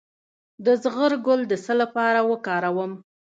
د زغر ګل د څه لپاره وکاروم؟